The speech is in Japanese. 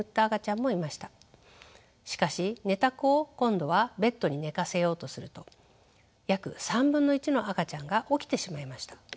しかし寝た子を今度はベッドに寝かせようとすると約1/3の赤ちゃんが起きてしまいました。